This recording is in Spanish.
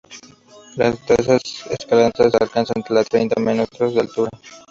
Las terrazas escalonadas alcanzan los treinta metros de altura.